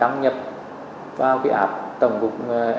và đăng nhập vào mã id là mã số thuế của doanh nghiệp và mật khẩu là số điện thoại